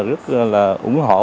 rất là ủng hộ